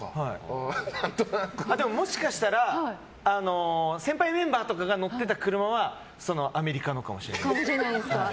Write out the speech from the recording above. もしかしたら先輩メンバーとかが乗ってた車はそのアメリカのかもしれません。